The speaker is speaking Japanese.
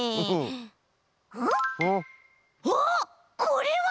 あっこれは！